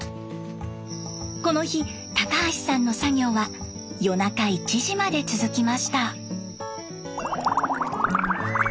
この日高橋さんの作業は夜中１時まで続きました。